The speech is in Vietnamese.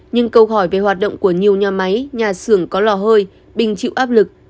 nhưng câu hỏi về hoạt động của nhiều nhà máy nhà xưởng có lò hơi bình chịu áp lực